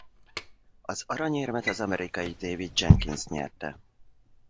Az aranyérmet az amerikai David Jenkins nyerte.